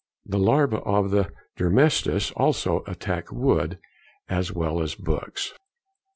The larvæ of the dermestes also attack wood as well as books.